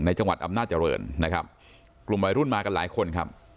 จังหวัดอำนาจริงนะครับกลุ่มวัยรุ่นมากันหลายคนครับ